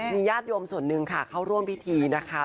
มีญาติโยมส่วนหนึ่งค่ะเข้าร่วมพิธีนะคะ